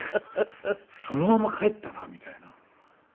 そのまま帰ったなみたいな。